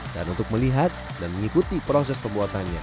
dan untuk melihat dan mengikuti proses pembuatannya